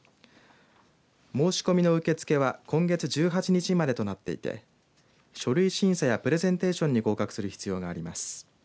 申し込みの受け付けは今月１８日までとなっていて書類審査やプレゼンテーションに合格する必要があります。